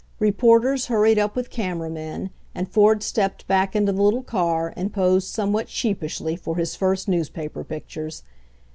Reporters hurried up with camera men, and Ford stepped back into the little car and posed somewhat sheepishly for his first newspaper pictures.